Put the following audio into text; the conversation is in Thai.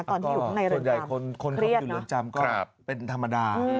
ตอนที่อยู่ข้างในเรือนจำเพรียดนะครับครับส่วนใหญ่คนที่อยู่เรือนจำก็เป็นธรรมดา